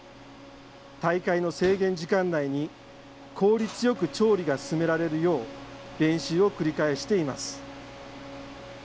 大会の制限時間内に、効率よく調理が進められるよう、練習を繰り返しています。